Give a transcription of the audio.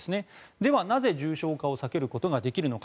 では、なぜ、重症化を避けることができるのか。